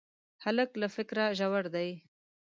هلک له فکره ژور دی.